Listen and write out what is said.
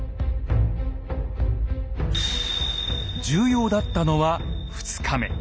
重要だったのは２日目。